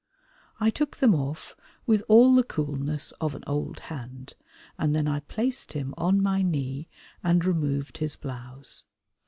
I took them off with all the coolness of an old hand, and then I placed him on my knee and removed his blouse.